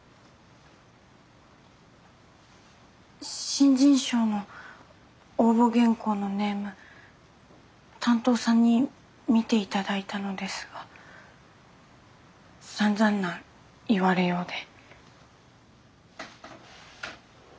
新人賞の応募原稿のネーム担当さんに見て頂いたのですがさんざんな言われようで。